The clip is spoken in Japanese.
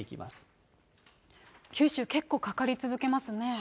九州、結構かかり続けますね。